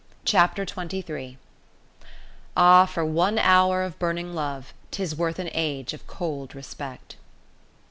CHAPTER TWENTY THREE "Ah, For One Hour of Burning Love, 'tis Worth an Age of Cold Respect!"